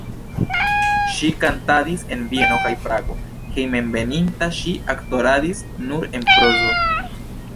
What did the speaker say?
Ŝi kantadis en Vieno kaj Prago, hejmenveninta ŝi aktoradis nur en prozo.